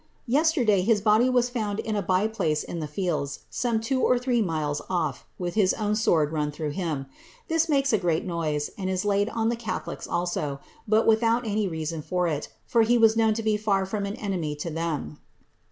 Yesterday his dy was found in a bye place in the fields, some two or three miles off, with s own sword run Uirough him. This makes a great noise, and is laid on the tholics also, but without any reason for it, for he was known to be far from an remy to them."